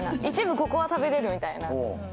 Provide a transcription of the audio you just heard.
一部ここは食べれるみたいな。